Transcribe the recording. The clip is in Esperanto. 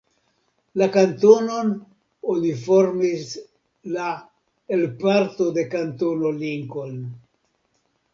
La kantonon oni formis la el parto de Kantono Lincoln.